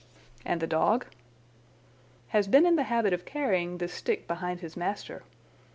"And the dog?" "Has been in the habit of carrying this stick behind his master.